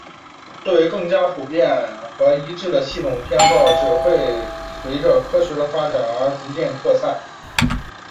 对更加普遍和一致的系统的偏好只会随着科学的发展而逐渐扩散。